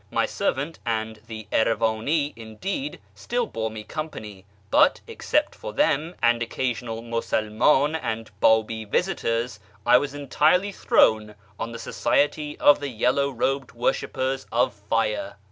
My servant and the Erivani, indeed, still bore me company ; but, except for them and occasional Musulman and Btibi visitors, I was entirely thrown on the society of the yellow robed worshippers of tire.